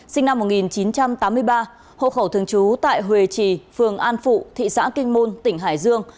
sinh năm một nghìn chín trăm tám mươi ba hộ khẩu thường trú tại huê trì phường an phụ thị xã kinh môn tỉnh hải dương